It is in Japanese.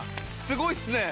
すごいっすね。